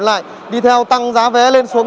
lại đi theo tăng giá vé lên xuống